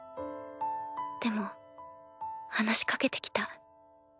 でも話し掛けて来た。